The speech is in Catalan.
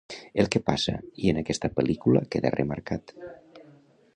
El que passa i en aquesta pel·lícula queda remarcat.